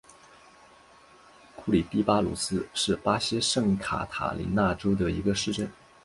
库里蒂巴努斯是巴西圣卡塔琳娜州的一个市镇。